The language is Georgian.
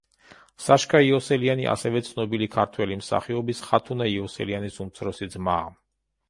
საშკა იოსელიანი ასევე ცნობილი ქართველი მსახიობის, ხათუნა იოსელიანის უმცროსი ძმაა.